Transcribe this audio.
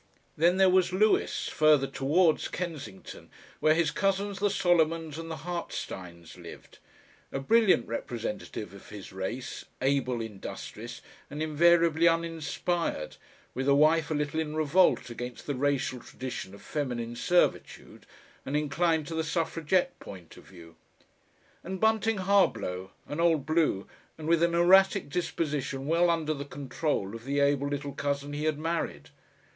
Then there was Lewis, further towards Kensington, where his cousins the Solomons and the Hartsteins lived, a brilliant representative of his race, able, industrious and invariably uninspired, with a wife a little in revolt against the racial tradition of feminine servitude and inclined to the suffragette point of view, and Bunting Harblow, an old blue, and with an erratic disposition well under the control of the able little cousin he had married.